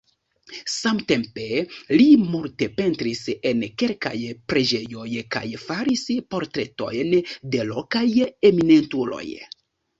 Samtempe li multe pentris en kelkaj preĝejoj kaj faris portretojn de lokaj eminentuloj.